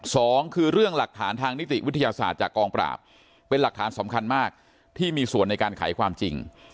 สองคือเรื่องหลักฐานทางนิติวิทยาศาสตร์จากกองปราบเป็นหลักฐานสำคัญมากที่มีส่วนในการไขความจริง